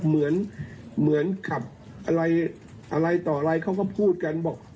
เหมือนเหมือนขับอะไรอะไรต่ออะไรเขาก็พูดกันบอก